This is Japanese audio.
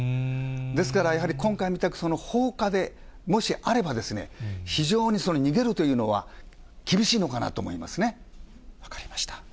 ですからやはり、今回みたく、放火で、もしあれば、非常に逃げるというのは厳しいの分かりました。